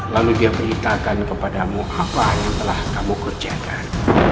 lalu dia beritakan kepadamu apa yang telah kamu kerjakan